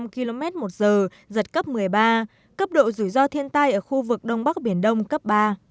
một trăm một mươi năm km một giờ giật cấp một mươi ba cấp độ rủi ro thiên tai ở khu vực đông bắc biển đông cấp ba